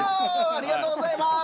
ありがとうございます！